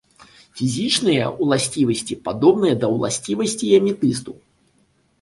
Фізічныя ўласцівасці падобныя да ўласцівасцей аметысту.